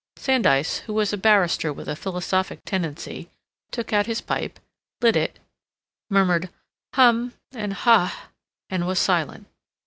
Sandys, who was a barrister with a philosophic tendency, took out his pipe, lit it, murmured "hum" and "ha," and was silent.